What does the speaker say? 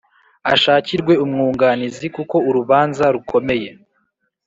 ashakirwe umwunganizi kuko urubanza rukomeye